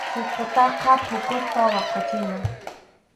Sikutaqa phukuspa waqachina.